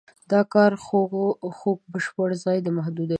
دا کار خوک بشپړاً د ځای محدودوي.